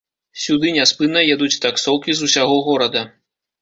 Сюды няспынна едуць таксоўкі з усяго горада.